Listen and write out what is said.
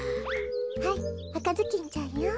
はいあかずきんちゃんよ。